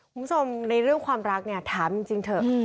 คุณผู้ชมในเรื่องความรักเนี่ยถามจริงเถอะ